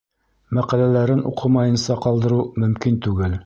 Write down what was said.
Мәҡәләләрен уҡымайынса ҡалдырыу мөмкин түгел.